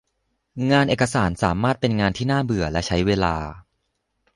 งานเอกสารสามารถเป็นงานที่น่าเบื่อและใช้เวลา